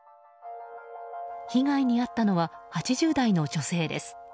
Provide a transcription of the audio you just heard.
被害に遭ったのは８０代の女性です。